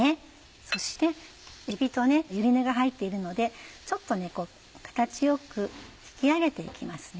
そしてえびとゆり根が入っているのでちょっと形良く引き上げて行きますね。